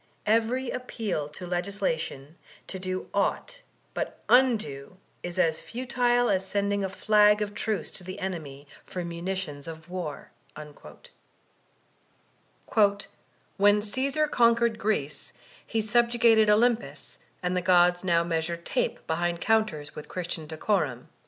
"Every appeal to legislation to do au^t but u$^o is as futile as sending a flag of truce to the enemy for munitions of war." "When Caesar conquered Greece, he subjugated Olym pus, and the Ciods now measure tape behind counters with Christian decorum."